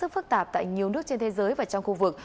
phức tạp tại nhiều nước trên thế giới và trong khu vực